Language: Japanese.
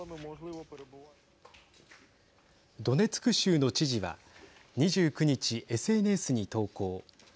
ドネツク州の知事は２９日、ＳＮＳに投稿。